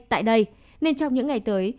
tại đây nên trong những ngày tới